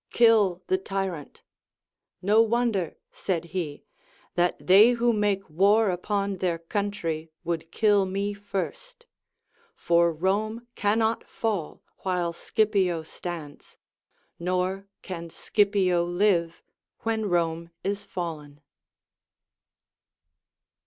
Kill the Tyrant, — No wonder, said he, that they who make war upon their country would kill me first ; for Rome cannot fall while Scipio stands, nor can Scipio live when Rome is fallen.